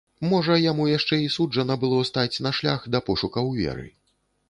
Можа яму яшчэ і суджана было стаць на шлях да пошукаў веры.